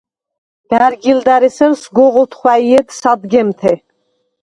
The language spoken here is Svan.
ბა̈რგილდა̈რ ესერ სგოღ ოთხვაჲედ სადგემთე.